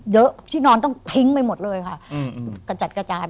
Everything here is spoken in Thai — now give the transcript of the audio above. เยอะที่นอนต้องพิงไปหมดเลยค่ะกระจัดกระจ่าย